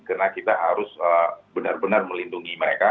karena kita harus benar benar melindungi mereka